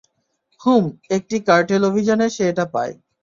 হুম, একটি কার্টেল অভিযানে সে এটা পায়।